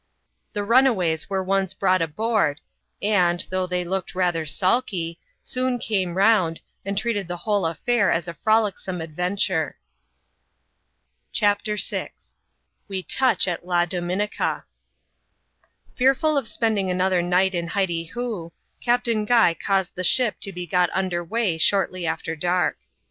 llie runaways were once brought aboard, and, thongh they looked rather sulky, soon came round, and treated the whole affair as a frolicsome adventure. ADVENTURES IN THE SOUTH SEAa [chap, n CHAPTER VI. We toach at La Dominica. F£AEFT7L of Spending another night in Hytyhoo, Captain Guy caused the ship to he got under way shortly after dark.